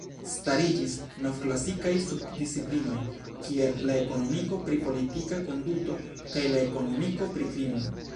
Stariĝis novklasikaj subdisciplinoj kiel la ekonomiko pri politika konduto kaj la ekonomiko pri krimo.